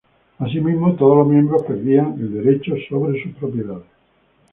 Asimismo, todos los miembros perdían el derecho sobre sus propiedades.